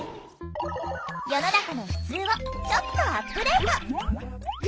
世の中のふつうをちょっとアップデート。